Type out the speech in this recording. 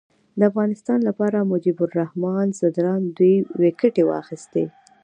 د افغانستان لپاره مجيب الرحمان ځدراڼ دوې ویکټي واخیستي.